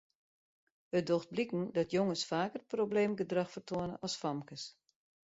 It docht bliken dat jonges faker probleemgedrach fertoane as famkes.